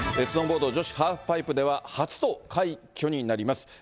スノーボード女子ハーフパイプでは、初の快挙になります。